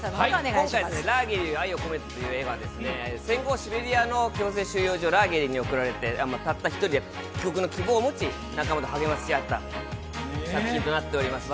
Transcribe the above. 今回「ラーゲリより愛を込めて」という映画は戦後シベリアの強制収容所ラーゲリに送られてたった１人で、希望を持ち仲間と励まし合った作品となっています